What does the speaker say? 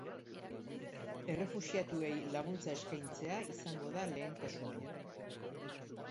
Errefuxiatuei laguntza eskaintzea izango da lehentasuna.